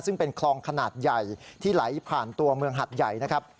ซึ่งเป็นคลองขนาดใหญ่ที่ไหลผ่านตัวเมืองหัดใหญ่นะครับ